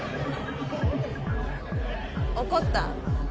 怒った？